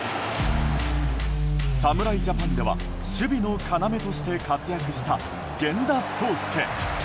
侍ジャパンでは守備の要として活躍した源田壮亮。